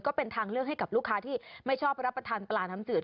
ก็เป็นทางเลือกให้กับลูกค้าที่ไม่ชอบรับประทานปลาน้ำจืด